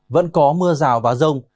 vẫn có mưa rào và rông